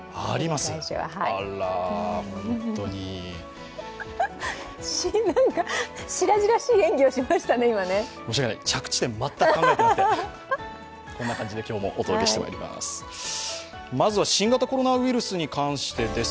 こんな感じで今日もお届けしてまいります。